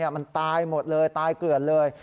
มันตายหมดเลยตายเกลือนเลย